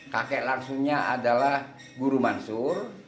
kakek langsungnya adalah guru mansur